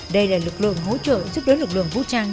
đây là lực lượng hỗ trợ giúp đỡ lực lượng vũ trang